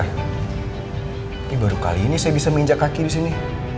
ini baru kali ini saya bisa menginjak kaki di sini